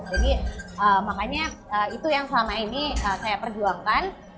makanya itu yang selama ini saya perjuangkan